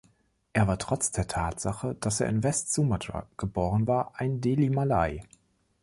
Er war trotz der Tatsache, dass er in West Sumatra geboren war, ein Deli Malay.